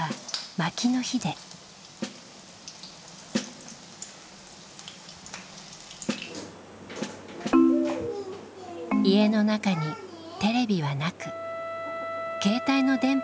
家の中にテレビはなく携帯の電波も届きません。